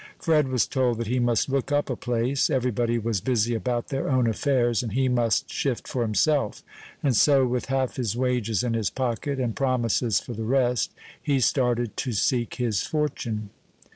Fred was told that he must look up a place; every body was busy about their own affairs, and he must shift for himself; and so with half his wages in his pocket, and promises for the rest, he started to seek his fortune.